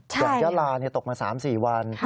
อย่างยะลาตกมา๓๔วัน